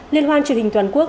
liên hoan truyền hình toàn quốc